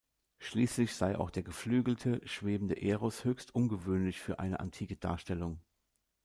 Schließlich sei auch der geflügelte, schwebende Eros höchst ungewöhnlich für eine antike Darstellung.